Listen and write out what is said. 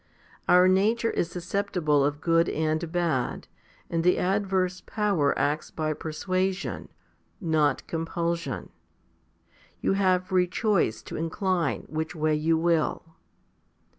Our nature is susceptible of good and bad, and the adverse power acts by persuasion, not compulsion. You have free choice to incline which way you will.